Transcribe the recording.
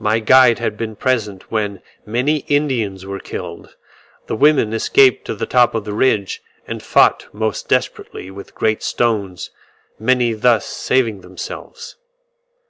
My guide had been present when many Indians were killed: the women escaped to the top of the ridge, and fought most desperately with great stones; many thus saving themselves.